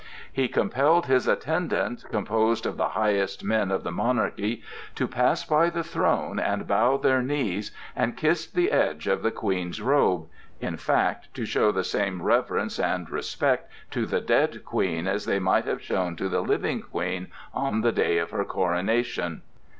He compelled his attendants, composed of the highest men of the monarchy, to pass by the throne and bow their knees and kiss the edge of the Queen's robe,—in fact, to show the same reverence and respect to the dead Queen as they might have shown to the living Queen on the day of her coronation.